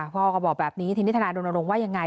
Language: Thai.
พ่อก็บอกแบบนี้ทีนี้ทนายรณรงค์ว่ายังไง